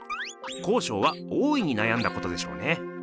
康勝は大いになやんだことでしょうね。